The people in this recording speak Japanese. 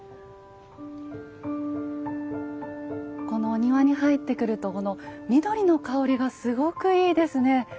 このお庭に入ってくるとこの緑の香りがすごくいいですね。